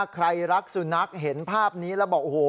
ใครรักสุนัขเห็นภาพนี้แล้วบอกโอ้โห